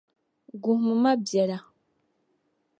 Guhimi ma biɛla.